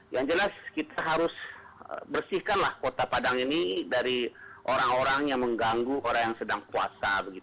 yang jelas kita harus bersihkanlah kota padang ini dari orang orang yang mengganggu orang yang sedang puasa